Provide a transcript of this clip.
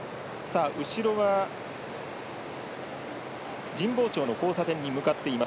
後ろは神保町の交差点に向かっています。